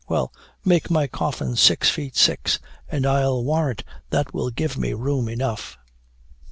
Well, make my coffin six feet six, and I'll warrant that will give me room enough!'"